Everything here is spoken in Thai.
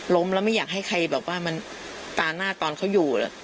ล้มแล้วไม่อยากให้ใครแบบว่ามันตาหน้าตอนเขาอยู่